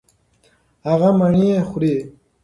هغه مڼې خوري.